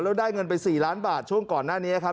แล้วได้เงินไป๔ล้านบาทช่วงก่อนหน้านี้ครับ